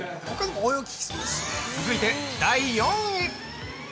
◆続いて第４位！